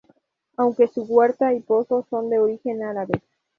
Aunque su huerta y pozo son de origen árabe.